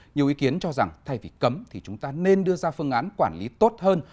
nhiều ý kiến cho rằng thay vì cấm thì chúng ta nên đưa ra phương án quản lý tốt hơn